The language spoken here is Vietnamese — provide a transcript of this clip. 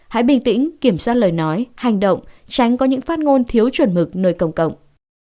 hãy bình tĩnh kiểm soát lời nói hành động tránh có những phát ngôn thiếu chuẩn mực nơi công cộng